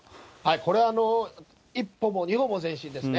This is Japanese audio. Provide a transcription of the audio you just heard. これは一歩も二歩も前進ですね。